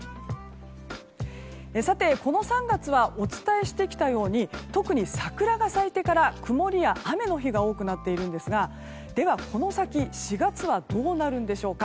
さて、この３月はお伝えしてきたように特に桜が咲いてから曇りや雨の日が多くなっているんですがでは、この先４月はどうなるんでしょうか。